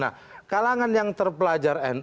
nah kalangan yang terakhir